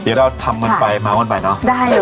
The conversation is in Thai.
เดี๋ยวเราทำมันไปมามันไปเนอะได้เลยค่ะ